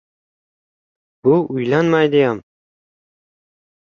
— Bu, uylanmaydiyam!